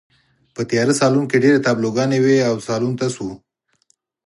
په تیاره سالون کې ډېرې تابلوګانې وې او سالون تش و